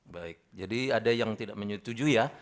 baik jadi ada yang tidak menyetujui ya